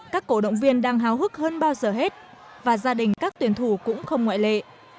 các cổ động viên đang háo hức hơn bao giờ hết và gia đình các tuyển thủ cũng không ngoại lệ